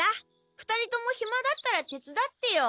２人ともひまだったらてつだってよ。